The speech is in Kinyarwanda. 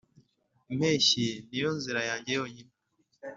impeshyi niyo nzira yanjye yonyine.